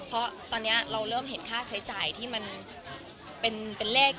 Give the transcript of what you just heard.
เพราะตอนนี้เราเริ่มเห็นค่าใช้จ่ายที่มันเป็นเลข